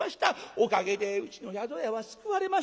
おかげでうちの宿屋は救われました。